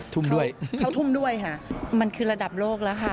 ทุ่มด้วยเข้าทุ่มด้วยค่ะมันคือระดับโลกแล้วค่ะ